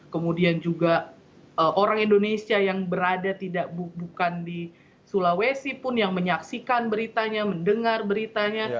kemudian juga orang indonesia yang berada tidak bukan di sulawesi pun yang menyaksikan beritanya mendengar beritanya